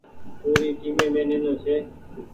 پوري ٽيمي مين نينو ڇي۔